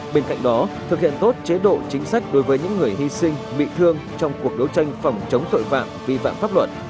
bên cạnh đó thực hiện tốt chế độ chính sách đối với những người hy sinh bị thương trong cuộc đấu tranh phòng chống tội phạm vi phạm pháp luật